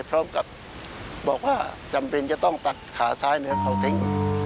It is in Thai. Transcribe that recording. พร้อมกับบอกว่าจำเป็นจะต้องตัดขาซ้ายเนื้อเขาทิ้ง